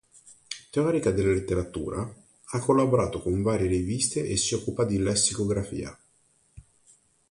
Teorica della letteratura, ha collaborato con varie riviste e si occupa di lessicografia.